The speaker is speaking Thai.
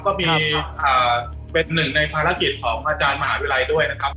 ก็มีเป็นหนึ่งในภารกิจของอาจารย์มหาวิทยาลัยด้วยนะครับ